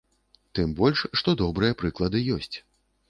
Тым больш што добрыя прыклады ёсць.